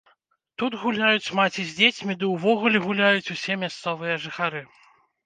Тут гуляюць маці з дзецьмі ды ўвогуле гуляюць усе мясцовыя жыхары.